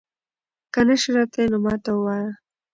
که نه شې راتلی نو ما ته ووايه